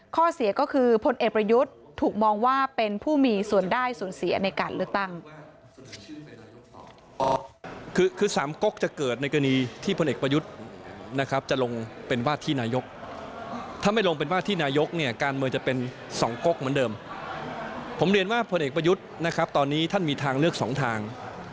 เสียก็คือพลเอกประยุทธ์ถูกมองว่าเป็นผู้มีส่วนได้ส่วนเสียในการเลือกตั้ง